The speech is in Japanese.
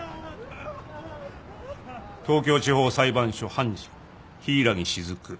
東京地方裁判所判事柊木雫